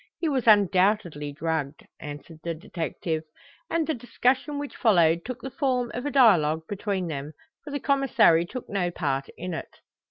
He was undoubtedly drugged," answered the detective; and the discussion which followed took the form of a dialogue between them, for the Commissary took no part in it.